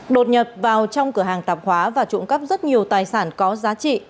đột nhập vào trong cửa hàng tạp hóa và trộm cắp rất nhiều tài sản có giá trị